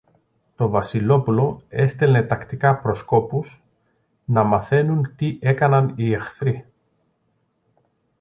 Το Βασιλόπουλο έστελνε τακτικά προσκόπους, να μαθαίνουν τι έκαναν οι εχθροί.